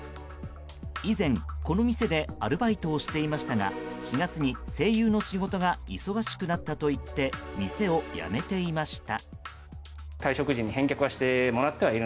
以前、この店でアルバイトをしていましたが４月に声優の仕事が忙しくなったと言って店を辞めていました。